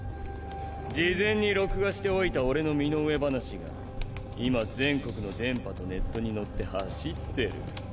事前に録画しておいた俺の身の上話が今全国の電波とネットにのって走ってる！